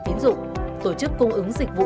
tiến dụng tổ chức cung ứng dịch vụ